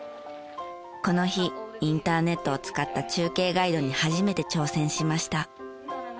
この日インターネットを使った中継ガイドに初めて挑戦しました。